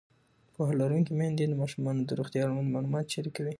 پوهه لرونکې میندې د ماشومانو د روغتیا اړوند معلومات شریکوي.